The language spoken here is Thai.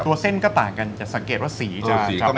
ตัวเส้นก็ต่างกันจะสังเกตว่าสีจะสี